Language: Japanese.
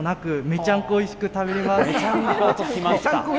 めちゃんこおいしく食べられる？